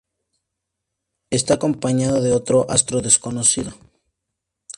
Está acompañado de otro astro desconocido.